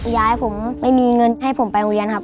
ยายผมไม่มีเงินให้ผมไปโรงเรียนครับ